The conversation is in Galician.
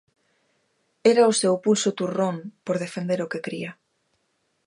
Era o seu pulso turrón por defender o que cría.